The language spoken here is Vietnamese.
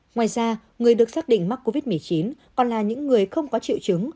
ngoài ra người được xác định mắc covid một mươi chín còn là những người không có triệu chứng